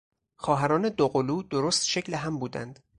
خواهران دوقلو درست شکل هم بودند.